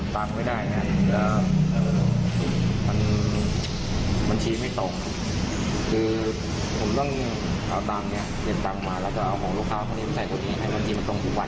เตรียมตังค์มาแล้วก็เอาของลูกค้าเขานี่มาใส่ตัวเองให้มันที่มันต้องกลุ่มกัน